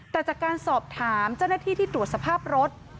แต่จากการสอบถามเจ้าหน้าที่ที่ตรวจสภาพรถ